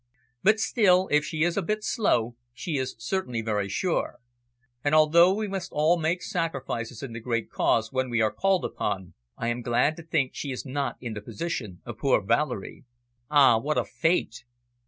"But still, if she is a bit slow, she is certainly very sure. And, although we must all make sacrifices in the great cause when we are called upon, I am glad to think she is not in the position of poor Valerie. Ah, what a fate!"